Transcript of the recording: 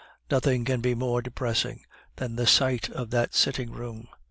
Nothing can be more depressing than the sight of that sitting room.